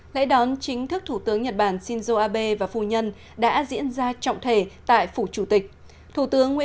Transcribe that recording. lễ đón chính thức thủ tướng nhật bản shinzo abe và phu nhân đã diễn ra trọng thể tại phủ chủ tịch